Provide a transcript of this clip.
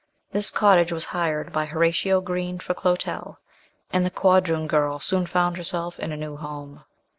This cottage was hired by Horatio Green for Clotel, and the quadroon girl soon found herself in her new home.